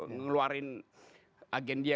ngeluarin agen dia